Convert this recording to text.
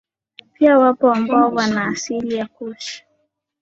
Pia wapo ambao wana asili ya Kush